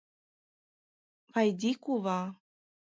Вайди кува.